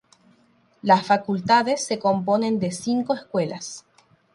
La facultades se componen de cinco escuelas.